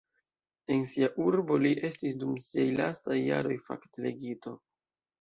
En sia urbo li estis dum siaj lastaj jaroj fakdelegito.